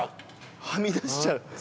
はみ出しちゃう。